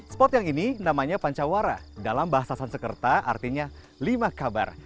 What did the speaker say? spot yang ini namanya pancawara dalam bahasa sansekerta artinya lima kabar